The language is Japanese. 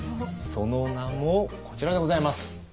その名もこちらでございます。